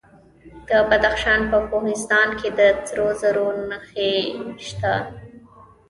د بدخشان په کوهستان کې د سرو زرو نښې شته.